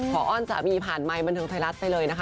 อ้อนสามีผ่านไมค์บันเทิงไทยรัฐไปเลยนะคะ